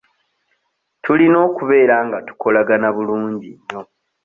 Tulina okubeera nga tukolagana bulungi nnyo.